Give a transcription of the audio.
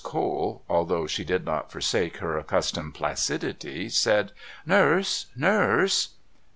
Cole, although she did not forsake her accustomed placidity, said: "Nurse... Nurse..."